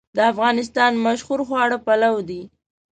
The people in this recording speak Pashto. د افغانستان مشهور خواړه پلو دی